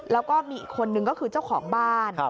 แล้วก็มีอีกคนนึงก็คือเจ้าของบ้าน